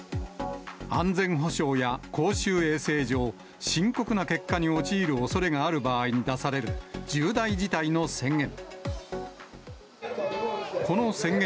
安全保障や公衆衛生上、深刻な結果に陥るおそれがある場合に出される重大事態の宣言。